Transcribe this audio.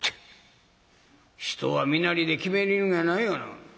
「人は身なりで決めるいうんやないがな。